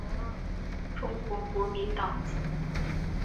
中国国民党籍。